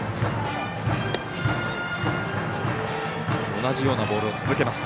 同じようなボールを続けました。